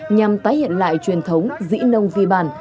nhằm tái hiện lại truyền thống dĩ nông vi bản